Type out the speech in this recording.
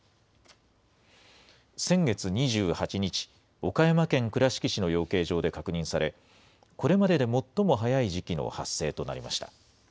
先月２８日、岡山県倉敷市の養鶏場で確認され、これまでで最も早い時期の発生となりました。